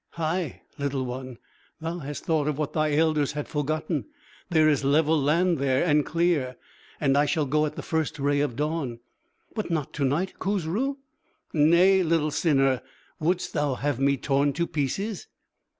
"Hai, little one, thou hast thought of what thy elders had forgotten. There is level land there, and clear. And I shall go at the first ray of dawn " "But not to night, Khusru ?" "Nay, little sinner! Wouldst thou have me torn to pieces?"